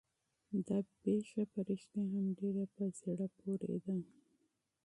دا واقعه په رښتیا هم ډېره په زړه پورې ده.